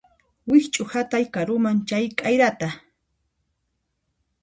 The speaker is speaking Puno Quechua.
Wikch'uhatay karuman chay k'ayrata